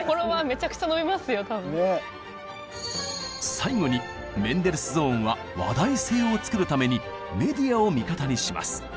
最後にメンデルスゾーンは話題性を作るためにメディアを味方にします。